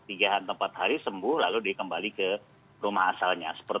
tiga atau empat hari sembuh lalu dia kembali ke rumah asalnya